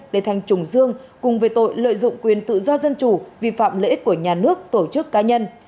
để thành trùng dương cùng về tội lợi dụng quyền tự do dân chủ vi phạm lợi ích của nhà nước tổ chức cá nhân